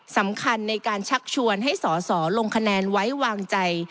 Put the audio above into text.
สำคัญในการชักชวนให้สอสอลงคะแนนไว้วางใจ